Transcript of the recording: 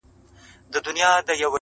نن په مستو سترګو د جام ست راته ساقي وکړ,